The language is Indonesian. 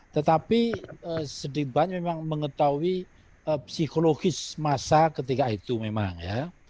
tetapi sedikit banyak memang mengetahui psikologis masa ketika itu memang ya